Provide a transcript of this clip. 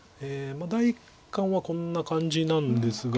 第一感はこんな感じなんですが。